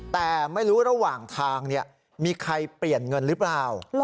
แต่ไม่รู้ระหว่างทางมีใครเปลี่ยนเงินหรือเปล่า